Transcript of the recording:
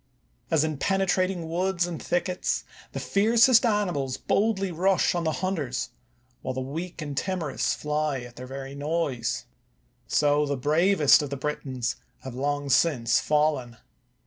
As in penetrating woods and thickets the fiercest animals boldly rush on the hunters, while the weak and timorous fly at their very noise; so the bravest of the Britons have 254 AGRICOLA long since fallen.